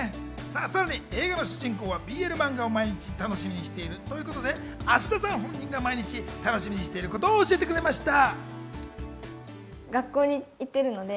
さらに映画の主人公はＢＬ漫画を毎日の楽しみしているということで、芦田さん本人が毎日楽しみにしていることを教えてくれました。